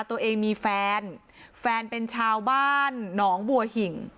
ตัวเองมีแฟนแฟนเป็นชาวบ้านหนองบัวหิ่ง